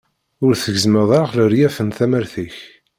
Ur tgezzmeḍ ara leryaf n tamart-ik.